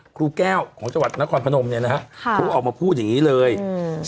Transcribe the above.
ครูแก้วของจังหวัดนครพนมเนี้ยนะฮะค่ะครูออกมาพูดอย่างงี้เลยอืม